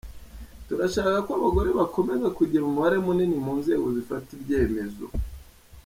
Turashaka ko abagore bakomeza kugira umubare munini mu nzego zifata ibyemezo.